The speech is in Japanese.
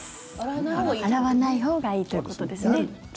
洗わないほうがいいということですね。